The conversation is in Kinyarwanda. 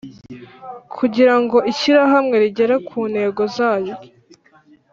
Kugira ngo Ishyirahamwe rigere ku ntego zaryo